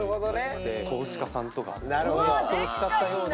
投資家さんとか、ネットを使ったような。